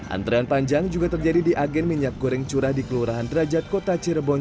antrean panjang juga terjadi di agen minyak goreng curah di kelurahan derajat kota cirebon